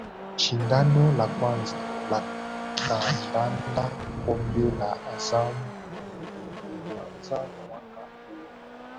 Shindano la kwanza la kandanda Kombe la azam lilianza mwaka huo